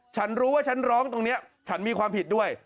ฉันรู้ว่าฉันร้องตรงนี้ฉันมีความผิดด้วย